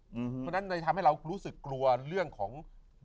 เพราะฉะนั้นเลยทำให้เรารู้สึกกลัวเรื่องของ